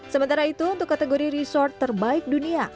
sementara itu untuk kategori resort terbaik dunia